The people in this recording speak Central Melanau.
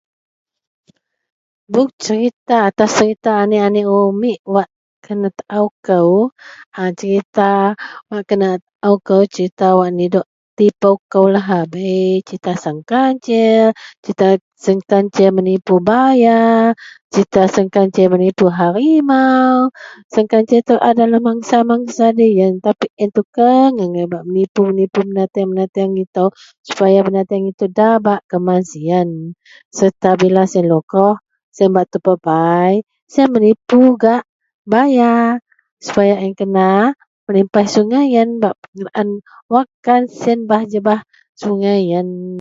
Bup serita atau serita aneak-aneak umit wak kenataou kou, serita wak kenataou kou, serita wak nidok tipou kou lahabei, serita sang kancil, serita sang kancil menipu baya, serita sang kancil menipu harimau. Sang kancil itou adalah mangsa-mangsa deloyen tapi a yen tukeng angai bak menipu-menipu benateang-benateang itou supaya benateang itou nda bak keman siyen sereta bila siyen lukoh siyen bak tupet paai, siyen menipu gak baya sepaya a yen kena melipas sungai yen bak kenaan wakkan siyen bah jebah sungai yen. .